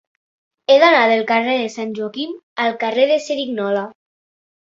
He d'anar del carrer de Sant Joaquim al carrer de Cerignola.